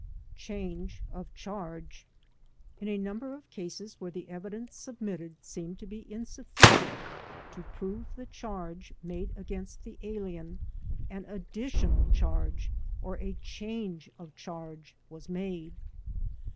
Change of Charge In a number of cases where the evidence submitted seemed to be insufficient to prove the charge made against the alien, an additional charge or a change of charge was made.